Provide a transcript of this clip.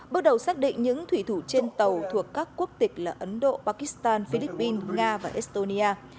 bước đầu xác định những thủy thủ trên tàu thuộc các quốc tịch là ấn độ pakistan philippines nga và estonia